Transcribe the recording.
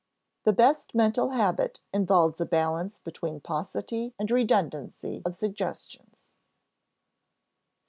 The best mental habit involves a balance between paucity and redundancy of suggestions.